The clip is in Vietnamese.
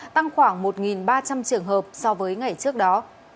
tăng khoảng một ba trăm linh trường hợp so với ngày trước đó